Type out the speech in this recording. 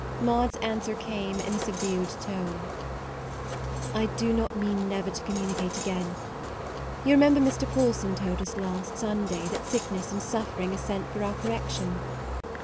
Maude's answer came in a sub dued tone :" I do not mean never to communicate again. You re member Mr. Paulson told us last, Sunday that sickness and suffering are sent for our correction.